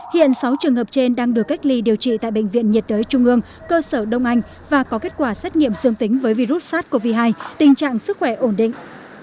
hiện sáu trường hợp trên đang được cách ly điều trị tại bệnh viện nhiệt đới trung ương cơ sở đông anh và có kết quả xét nghiệm dương tính với virus sars cov hai tình trạng sức khỏe ổn định